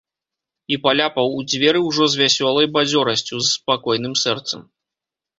І паляпаў у дзверы ўжо з вясёлай бадзёрасцю, з спакойным сэрцам.